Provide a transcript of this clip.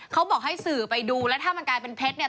เขาบอกให้สื่อไปดูแล้วถ้ามันกลายเป็นเพชรเนี่ย